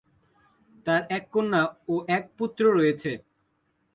তাঁর এক কন্যা ও এক পুত্র রয়েছে।